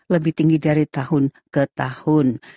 lebih tinggi dari tahun ke tahun